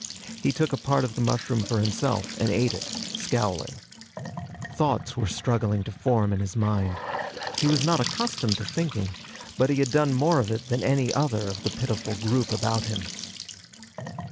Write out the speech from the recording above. He took a part of the mushroom for himself and ate it, scowling. Thoughts were struggling to form in his mind. He was not accustomed to thinking, but he had done more of it than any other of the pitiful group about him.